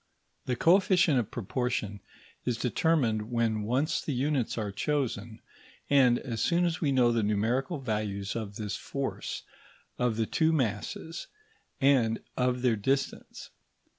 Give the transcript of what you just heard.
The coefficient of proportion is determined when once the units are chosen, and as soon as we know the numerical values of this force, of the two masses, and of their distance.